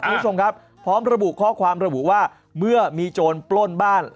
คุณผู้ชมครับพร้อมระบุข้อความระบุว่าเมื่อมีโจรปล้นบ้าน